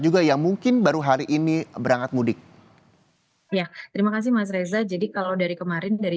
juga yang mungkin baru hari ini berangkat mudik ya terima kasih mas reza jadi kalau dari kemarin dari